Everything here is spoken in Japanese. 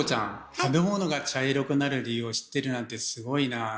食べ物が茶色くなる理由を知ってるなんてすごいなあ。